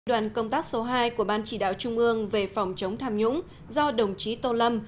đoàn công tác số hai của ban chỉ đạo trung ương về phòng chống tham nhũng do đồng chí tô lâm